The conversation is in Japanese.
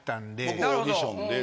僕オーディションで。